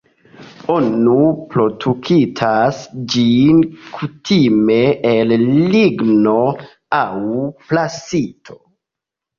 Oni produktas ĝin kutime el ligno aŭ plasto.